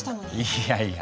いやいや。